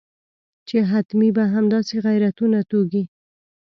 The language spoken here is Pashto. چې حتمي به همداسې غیرتونه توږي.